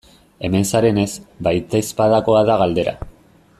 Hemen zarenez, baitezpadakoa da galdera.